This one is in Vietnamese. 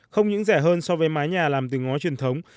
không những rẻ hơn so với mái nhà làm từ ngói truyền thống